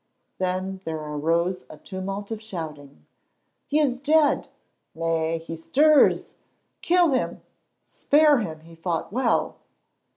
Then there arose a tumult of shouting. "He is dead!" "Nay, he stirs." "Kill him!" "Spare him; he fought well!"